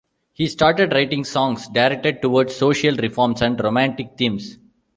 He started writing songs directed towards social reforms and romantic themes.